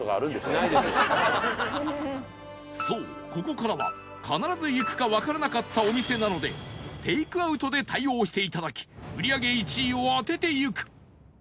そうここからは必ず行くかわからなかったお店なのでテイクアウトで対応していただき売り上げ１位を当てていく